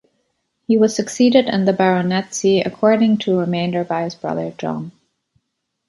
He was succeeded in the baronetcy according to remainder by his brother John.